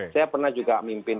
saya pernah juga mimpin